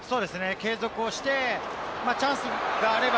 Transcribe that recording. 継続してチャンスがあれば。